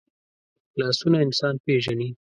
لاسونه انسان پېژني